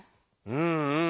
うんうん！